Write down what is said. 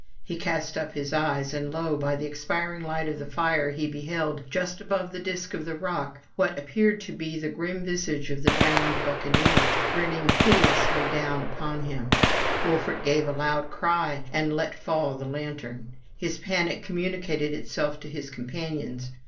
He cast up his eyes, and lo! by the expiring light of the fire he beheld, just above the disk of the rock, what appeared to be the grim visage of the drowned buccaneer, grinning hideously down upon him, Wolfert gave a loud cry, and let fall the lantern. His panic communicated itself to his companions.